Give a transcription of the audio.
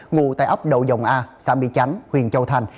ngụ tại ốc đầu dòng a xã mỹ chánh huyền châu thành